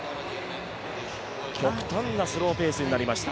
極端なスローペースになりました。